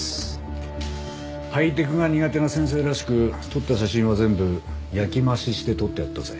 ハイテクが苦手な先生らしく撮った写真は全部焼き増しして取ってあったぜ。